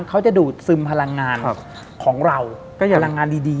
เขาจะดูดซึมพลังงานของเราก็จะพลังงานดีดี